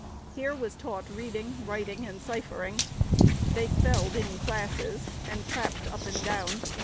Here he was taught reading, writing, and ciphering. They spelled in classes, and "trapped" up and down.